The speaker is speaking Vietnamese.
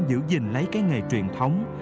giữ gìn lấy cái nghề truyền thống